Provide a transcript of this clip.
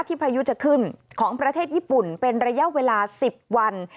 พายุจะขึ้นของประเทศญี่ปุ่นเป็นระยะเวลา๑๐วัน